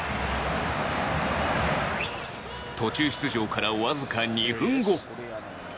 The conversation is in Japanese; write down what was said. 途中出場からわずか２分後。